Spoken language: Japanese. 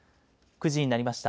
９時になりました。